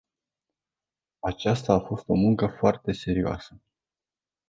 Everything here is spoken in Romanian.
Aceasta a fost o muncă foarte serioasă.